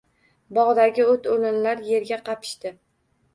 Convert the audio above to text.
Bogʻdagi oʻt-oʻlanlar yerga qapishdi.